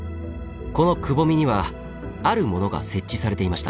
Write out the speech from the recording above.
このくぼみにはあるものが設置されていました。